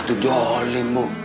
ratu jolim bu